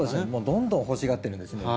どんどん欲しがってるんですね。